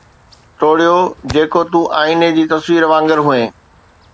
ٽوڙيو جيڪو تون آئيني جي تصوير وانگر هئين